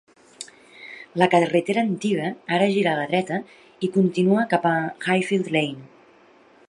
La carretera antiga ara gira a la dreta i continua cap a Highfield Lane.